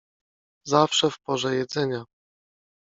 zawsze w porze jedzenia.